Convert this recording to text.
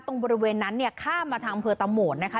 บริเวณนั้นเนี่ยข้ามมาทางอำเภอตะโหมดนะคะ